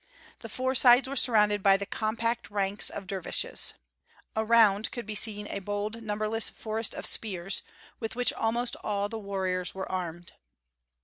The four sides were surrounded by the compact ranks of dervishes. Around could be seen a bold, numberless forest of spears, with which almost all the warriors were armed.